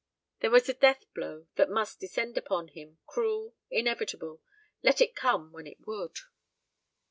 There was a death blow that must descend upon him, cruel, inevitable. Let it come when it would.